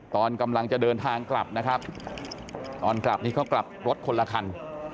ตอนกำลังจะเดินทางกลับนะครับตอนกลับนี่เขากลับรถคนละคัน